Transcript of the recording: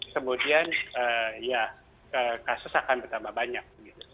kemudian ya kasus akan bertambah banyak